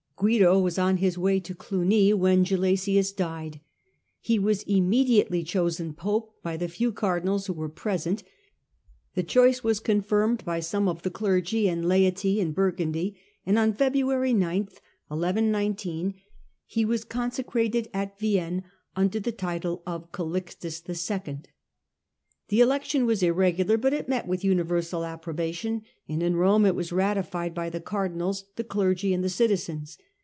Guido was on his way to Olugny when Gelasius died. He was immediately chosen pope by Guido of the few cardinals who were present, the choice elected was Confirmed by some of the clergy and laity tuaii.) mi in Burgundy, and on February 9 he was con secrated at Vienne, under the title of Calixtus 11. The election was irregular, but it met with universal appro bation, and in Rome it was ratified by the cardinals, the clergy, and the citizens.